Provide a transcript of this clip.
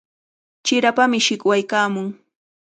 Chirapami shikwaykaamun.